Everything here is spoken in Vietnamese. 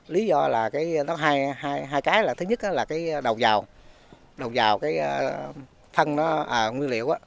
lý do là hai cái thứ nhất là đầu vào đầu vào thân nguyên liệu